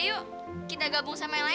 eh yudah yuk kita gabung sama yang lain